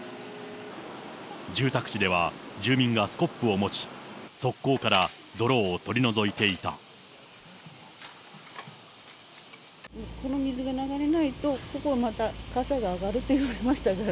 住宅地では、住民がスコップを持ち、この水が流れないと、ここまた、かさが上がるって言われましたから。